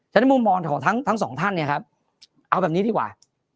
แต่ของทั้งสองท่านเนี่ยครับเอาแบบนี้ดีกว่า